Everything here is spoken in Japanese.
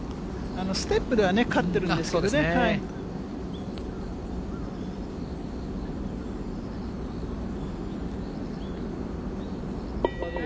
ステップではね、勝ってるんですけどね。